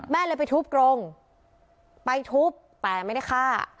แม่เลยไปทุบกรงไปทุบแต่ไม่ได้ฆ่า